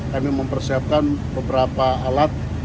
kami mempersiapkan beberapa alat